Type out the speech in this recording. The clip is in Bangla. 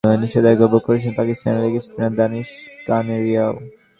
স্পট ফিক্সিংয়ের কারণে আজীবন নিষেধাজ্ঞা ভোগ করছেন পাকিস্তানি লেগ স্পিনার দানিশ কানেরিয়াও।